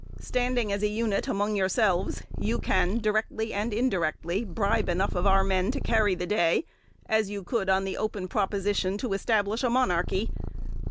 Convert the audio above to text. Standing as a unit among yourselves, you can, directly and indirectly, bribe enough of our men to carry the day, as you could on the open proposition to establish a monarchy.